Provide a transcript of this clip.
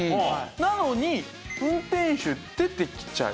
なのに運転手出てきちゃいました。